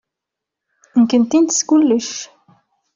Nekkenti nettess kullec.